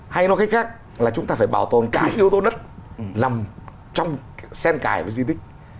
hay nói cách khác là chúng ta phải bảo tồn cả những yếu tố đất nằm trong sen cải và di tích